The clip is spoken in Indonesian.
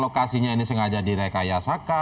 lokasinya ini sengaja di rekayasaka